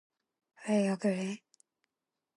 왜 욕을 해?